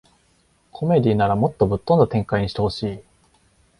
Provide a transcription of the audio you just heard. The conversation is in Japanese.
コメディならもっとぶっ飛んだ展開にしてほしい